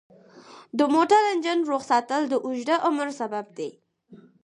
د موټر انجن روغ ساتل د اوږده عمر سبب دی.